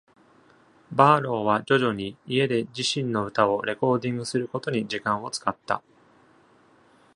バーローは、徐々に、家で自身の歌をレコーディングすることに時間を使った。